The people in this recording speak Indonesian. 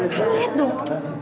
kamu lihat dong